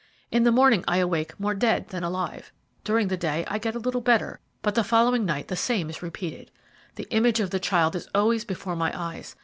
In the morning I awake more dead than alive. During the day I get a little better, but the following night the same thing is repeated. The image of the child is always before my eyes.